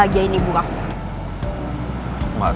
aku yakin juga om raymond bisa berubah